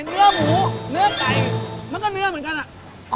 เนื้อหมูเนื้อไก่มันก็เนื้อเหมือนกันอ่ะ